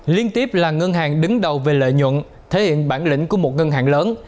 liên tiếp là ngân hàng đứng đầu về lợi nhuận thể hiện bản lĩnh của một ngân hàng lớn